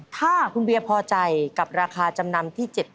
ถ้าคุณเบียร์พอใจกับราคาจำนำที่๗๐๐